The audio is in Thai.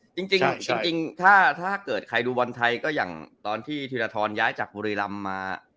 จริงจริงจริงจริงถ้าถ้าเกิดใครดูบนไทยก็อย่างตอนที่ธิวละทอนย้ายจากบุรีลำมา